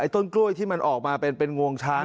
ต้นกล้วยที่มันออกมาเป็นงวงช้าง